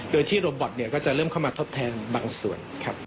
โดยที่โรบอตก็จะเริ่มเข้ามาทดแทนบางส่วนครับ